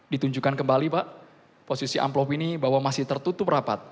ditunjukkan kembali pak posisi amplop ini bahwa masih tertutup rapat